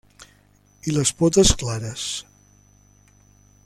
I les potes, clares.